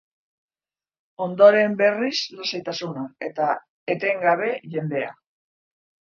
Ondoren, berriz lasaitasuna eta etengabe jendea.